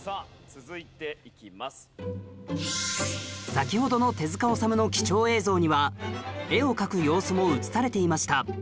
先ほどの手治虫の貴重映像には絵を描く様子も映されていました